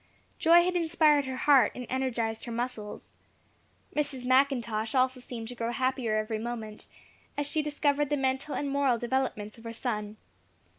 Joy had inspired her heart, and energized her muscles. Mrs. McIntosh also seemed to grow happier every moment, as she discovered the mental and moral developments of her son.